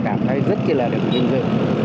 cảm thấy rất là được viên dự